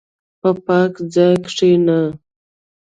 په پاک ځای کښېنه.